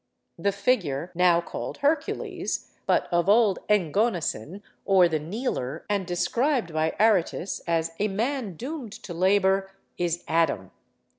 The figure now called Hercules, but of old Engonasin, or the kneeler, and described by Aratus as 'a man doomed to labour,' is Adam.